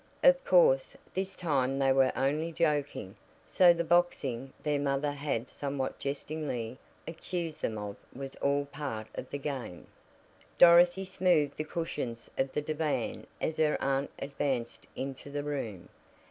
Of course, this time they were only joking, so the "boxing" their mother had somewhat jestingly accused them of was all part of the game. Dorothy smoothed the cushions of the divan as her aunt advanced into the room.